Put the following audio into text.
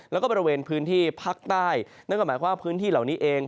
แล้วก็บริเวณพื้นที่ภาคใต้นั่นก็หมายความว่าพื้นที่เหล่านี้เอง